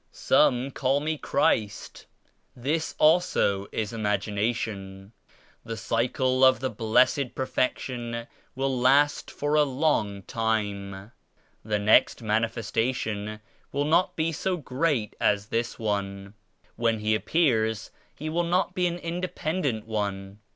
Some call me Christ This also is imagination. The Cycle of the Blessed Perfection will last for a long time. The next manifestation will not be so great as this One. When He appears He will not be an independent One.